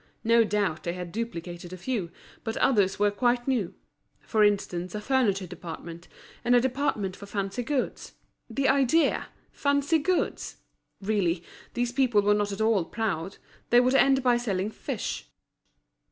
No doubt they had duplicated a few, but others were quite new; for instance a furniture department, and a department for fancy goods. The idea! Fancy goods! Really these people were not at all proud, they would end by selling fish.